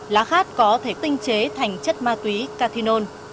lá khát có thể tinh chế thành chất ma túy cathinol